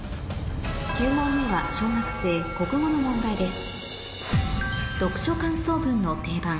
９問目は小学生国語の問題です